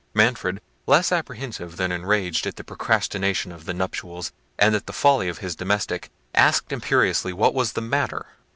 Manfred, less apprehensive than enraged at the procrastination of the nuptials, and at the folly of his domestic, asked imperiously what was the matter?